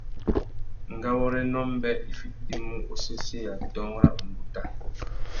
Ngawôrénô mbê i fitimú usésséya dôōng râ umbuta.